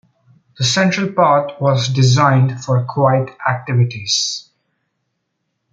The central part was designed for quiet activities.